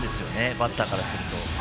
バッターからすると。